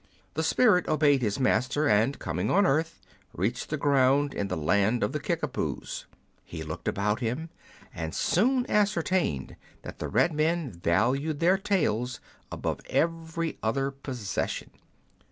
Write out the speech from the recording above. The spirit obeyed his Master, and, coming on earth, reached the ground in the land of the Kickapoos. He looked about him, and soon ascertained that the red men valued their tails above every other pos Curiosities of Olden Times session.